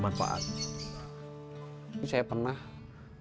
kita sudah semuanya sudah ada